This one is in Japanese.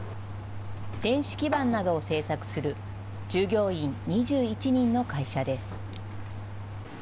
電子基板などを製作する従業員２１人の会社です。